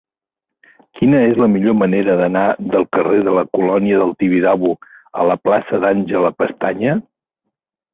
Quina és la millor manera d'anar del carrer de la Colònia del Tibidabo a la plaça d'Àngel Pestaña?